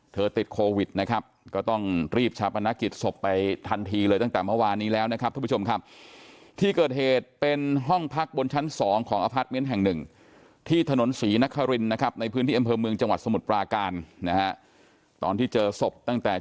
เธอติดโควิดนะครับก็ต้องรีบชาวประณะกิจสบไปทันทีเลยตั้งแต่เมื่อวานนี้แล้วนะครับท่านผู้ชมครับ